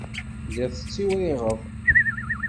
Telliḍ tettiwriɣeḍ.